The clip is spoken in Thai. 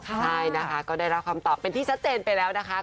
ใช่นะคะก็ได้รับคำตอบเป็นที่ชัดเจนไปแล้วนะคะ